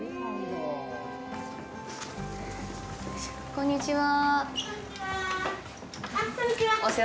こんにちは。